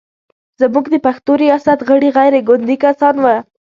زموږ د پښتو ریاست غړي غیر ګوندي کسان و.